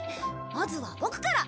まずはボクから。